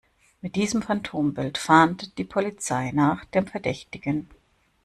Mit diesem Phantombild fahndet die Polizei nach dem Verdächtigen.